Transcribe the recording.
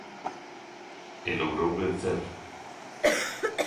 E logrou vencer.